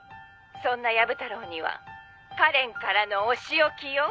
「そんなヤブ太郎にはカレンからのお仕置きよ」